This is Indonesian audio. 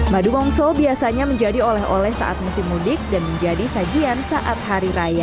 madu mongso biasanya menjadi oleh oleh saat musim mudik dan menjadi sajian saat hari raya